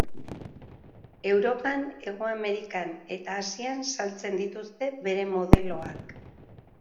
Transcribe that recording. Europan, Hego Amerikan eta Asian saltzen dituzte bere modeloak.